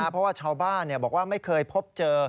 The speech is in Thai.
เพราะว่าชาวบ้านบอกว่าไม่เคยพบเจอ